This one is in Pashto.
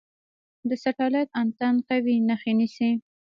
د سټلایټ انتن قوي نښه نیسي.